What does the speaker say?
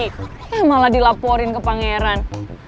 eh malah dilaporin ke pangeran